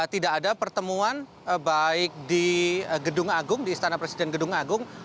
tidak ada pertemuan baik di gedung agung di istana presiden gedung agung